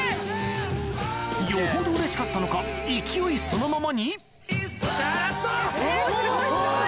よほどうれしかったのか勢いそのままによっしゃラスト！